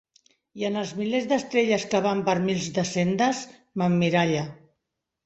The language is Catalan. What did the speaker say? I en els milers d'estrelles que van per mils de sendes, m'emmiralle.